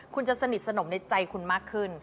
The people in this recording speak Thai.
คุณจะสนิทสนมในใจคุณมากขึ้น